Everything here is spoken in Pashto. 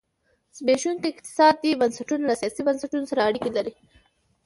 زبېښونکي اقتصادي بنسټونه له سیاسي بنسټونه سره اړیکه لري.